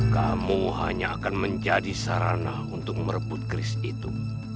kamu hanya akan menjadi sarana untuk merebut keris itu